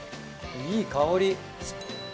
いい香り！